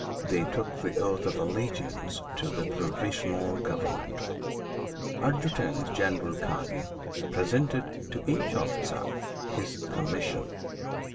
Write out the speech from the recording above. They took the oath of allegiance to the "Provisional Government." Adjutant General Kagi presented to each officer his commission.